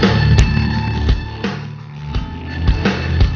ya kan bagaimana